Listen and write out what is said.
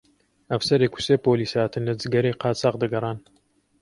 ئەفسەرێک و سێ پۆلیس هاتن لە جگەرەی قاچاغ دەگەڕان